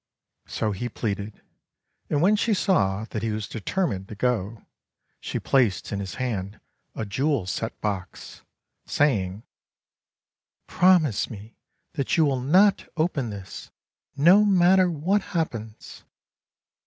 So he pleaded; and when she saw that he was determined to go, she placed in his hand a jewel set box, saying: — "Promise me that you will not open this, no matter what happens."